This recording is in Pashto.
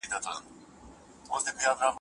چا په غوږ کې راته وویل غلي غلي